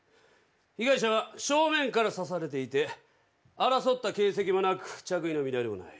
被害者は正面から刺されていて争った形跡もなく着衣の乱れもない。